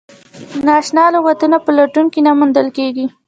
نا اشنا لغتونه په لټون کې نه موندل کیږي.